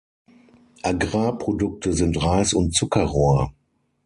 Agrarprodukte sind Reis und Zuckerrohr.